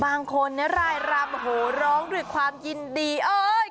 บางคนนะรายรำโหร้องด้วยความยินดีเอ้ย